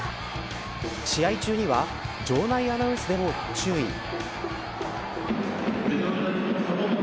試合中には場内アナウンスでも注意。